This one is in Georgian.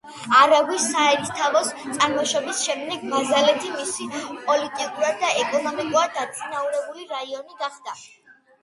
არაგვის საერისთავოს წარმოშობის შემდეგ ბაზალეთი მისი პოლიტიკურად და ეკონომიკურად დაწინაურებული რაიონი გახდა.